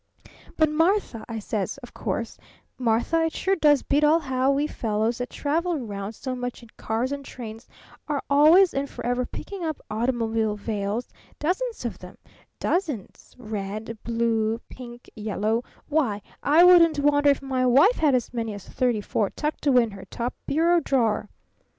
But 'Martha,' I says, of course, 'Martha, it sure does beat all how we fellows that travel round so much in cars and trains are always and forever picking up automobile veils dozens of them, dozens red, blue, pink, yellow why, I wouldn't wonder if my wife had as many as thirty four tucked away in her top bureau drawer!'